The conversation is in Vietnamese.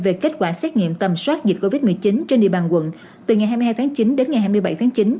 về kết quả xét nghiệm tầm soát dịch covid một mươi chín trên địa bàn quận từ ngày hai mươi hai tháng chín đến ngày hai mươi bảy tháng chín